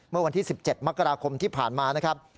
เมื่อวันที่๑๗มกราคมที่ผ่านมานะครับ